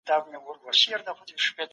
انسان مدني الطبع دی.